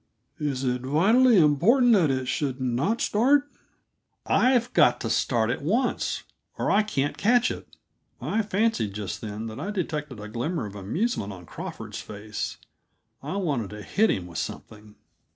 Is it vitally important that it should not start?" "I've got to start at once, or I can't catch it." I fancied, just then, that I detected a glimmer of amusement on Crawford's face. I wanted to hit him with something.